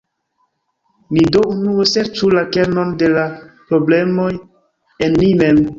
Ni do unue serĉu la kernon de la problemoj en ni mem.